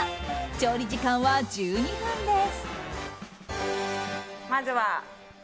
調理時間は１２分です。